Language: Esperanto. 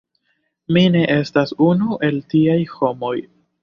Mi ne estas unu el tiaj homoj.